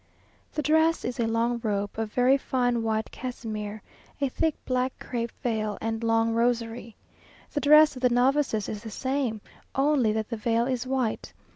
The dress is a long robe of very fine white casimere, a thick black crape veil, and long rosary. The dress of the novices is the same, only that the veil is white.